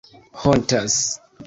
hontas